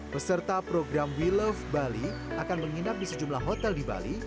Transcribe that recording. peserta program we love bali akan menginap di sejumlah hotel di bali